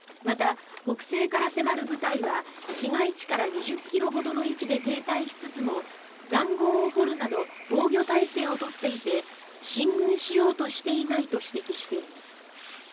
また、北西から迫る部隊は市街地から２０ｋｍほどの位置で停滞しつつも塹壕を掘るなど防御態勢を取っていて進軍しようとしていないと指摘しています。